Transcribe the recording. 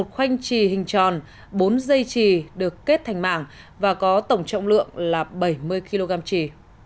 một khoanh trì hình tròn bốn dây trì được kết thành mảng và có tổng trọng lượng là bảy mươi kg trì